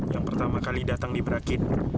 yang pertama kali datang di berakit